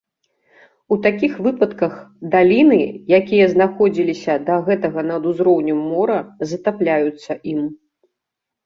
У такіх выпадках, даліны, якія знаходзіліся да гэтага над узроўнем мора, затапляюцца ім.